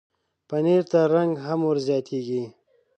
پنېر ته رنګ هم ورزیاتېږي.